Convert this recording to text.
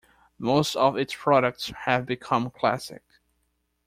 Many of its products have become classic.